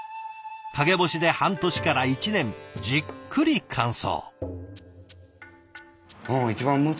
陰干しで半年から１年じっくり乾燥。